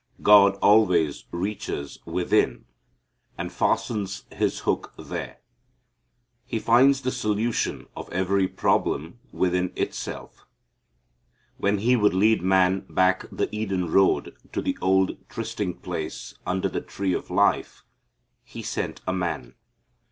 God always reaches within, and fastens His hook there. He finds the solution of every problem within itself. When He would lead man back the Eden road to the old trysting place under the tree of life He sent a man.